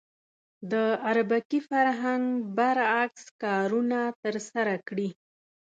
د اربکي فرهنګ برعکس کارونه ترسره کړي.